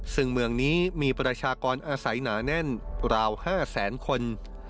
ซึ่งเมืองนี้มีประชากรอาศัยหนาแน่นราว๕แสนคน